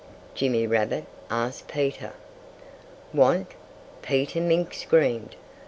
Jimmy Rabbit asked Peter. "Want?" Peter Mink screamed.